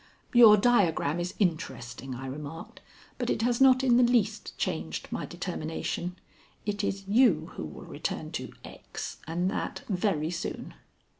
"Your diagram is interesting," I remarked, "but it has not in the least changed my determination. It is you who will return to X., and that, very soon."